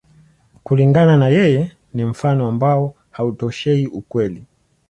Kulingana na yeye, ni mfano ambao hautoshei ukweli.